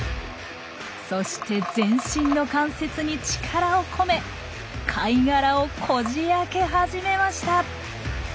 そして全身の関節に力を込め貝殻をこじあけ始めました！